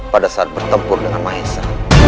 pada saat bertempur dengan mahesa